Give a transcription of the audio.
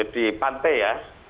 di pantai ya